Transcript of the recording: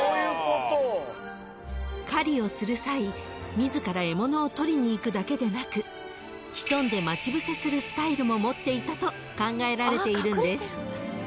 ［狩りをする際自ら獲物をとりに行くだけでなく潜んで待ち伏せするスタイルも持っていたと考えられているんです］